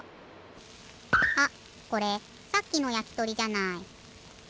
あっこれさっきのやきとりじゃない。